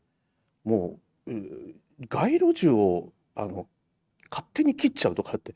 もう、街路樹を勝手に切っちゃうとかって。